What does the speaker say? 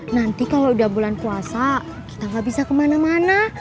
nanti kalau udah bulan puasa kita gak bisa kemana mana